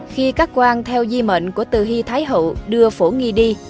khi các quang theo di mệnh của từ hy thái hậu đưa phổ nghi đi